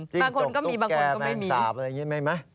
จริงจบตุ๊กแก่แม่งสาปอะไรแบบนี้ไหม